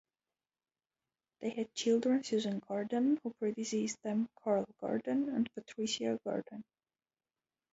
They had children Susan Gordon, who predeceased them, Carol Gordon, and Patricia Gordon.